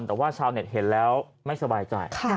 แต่ว่าชาวเน็ตเห็นแล้วไม่สบายใจ